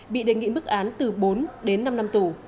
bị đề nghị mức án từ bốn đến năm năm tù